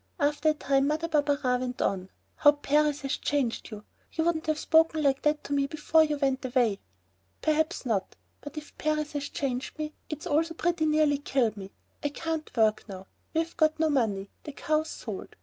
After a time Mother Barberin went on: "How Paris has changed you! You wouldn't have spoken like that to me before you went away." "Perhaps not. But if Paris has changed me, it's also pretty near killed me. I can't work now. We've got no money. The cow's sold.